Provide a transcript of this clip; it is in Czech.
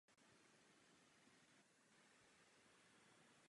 Zamrzá nejčastěji na začátku listopadu a rozmrzá na konci dubna.